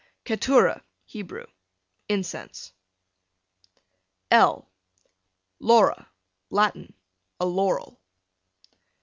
Ketura, Hebrew, incense. L Laura, Latin, a laurel.